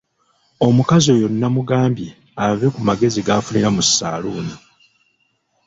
Omukazi oyo namugambye ave ku magezi g'afunira mu ssaaluuni.